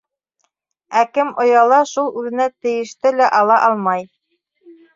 Ә кем ояла - шул үҙенә тейеште лә ала алмай.